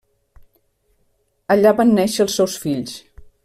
Allà van néixer els seus fills.